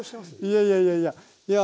いやいやいやいやいや